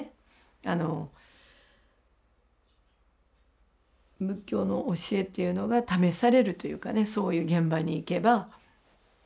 あの仏教の教えというのが試されるというかねそういう現場に行けば。